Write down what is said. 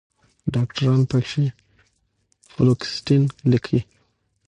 ډاکټران پکښې فلوکسیټين لیکي